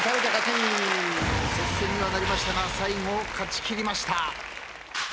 接戦にはなりましたが最後勝ちきりました。